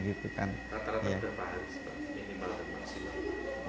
kata kata berapa haris pak minimal atau maksimal